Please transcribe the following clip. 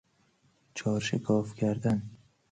چار شکاف کردن